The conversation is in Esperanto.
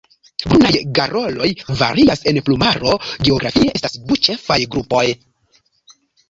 Brunaj garoloj varias en plumaro geografie: estas du ĉefaj grupoj.